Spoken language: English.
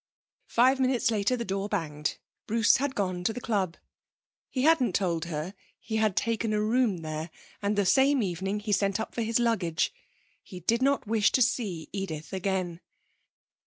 Five minutes later the door banged. Bruce had gone to the club. He hadn't told her he had taken a room there, and the same evening he sent up for his luggage. He did not wish to see Edith again.